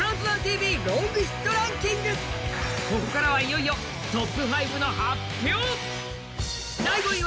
ここからはいよいよトップ５の発表！